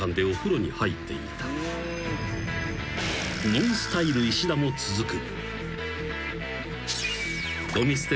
［ＮＯＮＳＴＹＬＥ石田も続く］